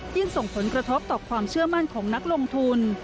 ยิ่งส่งผลกระทบต่อความเชื่อมั่นของนักลงทุน